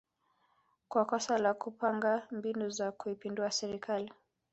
kwa kosa la kupanga mbinu za kuipindua serikali